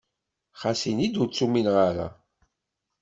Ɣas ini ur t-umineɣ ara.